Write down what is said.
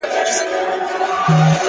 • له یوه میدانه وزو بل میدان ته ور ګډیږو ,